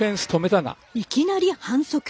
いきなり反則。